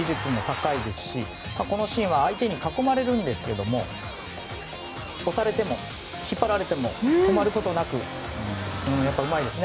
このシーンでは相手に囲まれるんですが押されても引っ張られても止まることなくうまいですよね。